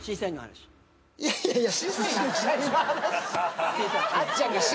いやいやいや。